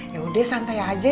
yaudah santai aja